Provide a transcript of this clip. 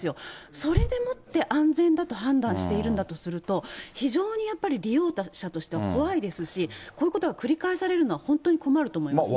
それでもって、安全だと判断しているんだとすると、非常にやっぱり利用者としては、怖いですし、こういうことが繰り返されるのは本当に困ると思いますね。